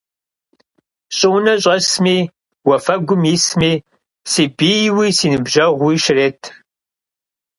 Щӏыунэ щӏэсми, уафэгум исми, си бийуи си ныбжьэгъууи щрет.